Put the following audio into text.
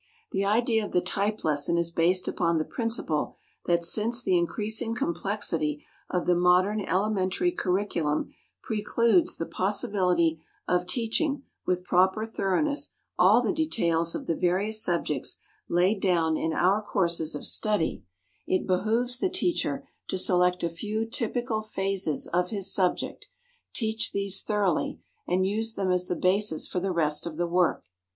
The idea of the type lesson is based upon the principle that since the increasing complexity of the modern elementary curriculum precludes the possibility of teaching with proper thoroughness all the details of the various subjects laid down in our courses of study, it behooves the teacher to select a few typical phases of his subject, teach these thoroughly, and use them as the basis for the rest of the work.